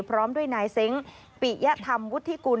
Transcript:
พร้อมด้วยนายเซ้งปิยธรรมวุฒิกุล